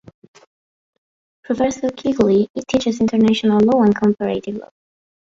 Professor Quigley teaches international law and comparative law.